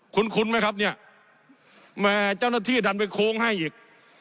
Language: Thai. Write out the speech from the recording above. คุ้นไหมครับเนี่ยแม่เจ้าหน้าที่ดันไปโค้งให้อีก